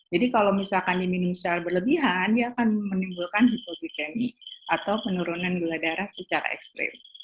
jadi kalau misalkan diminum secara berlebihan dia akan menimbulkan hipotikemi atau penurunan gula darah secara ekstrem